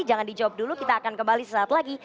jangan dijawab dulu kita akan kembali sesaat lagi